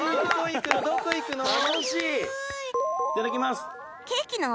いただきます。